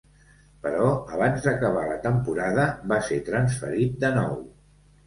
Però, abans d'acabar la temporada va ser transferit de nou.